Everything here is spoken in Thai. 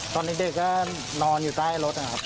ตอนเด็กก็นอนอยู่ใต้รถนะครับ